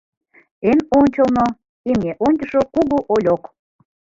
Эн ончылно — имне ончышо Кугу Ольок.